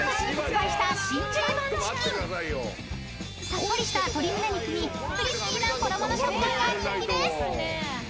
［さっぱりした鶏胸肉にクリスピーな衣の食感が人気です］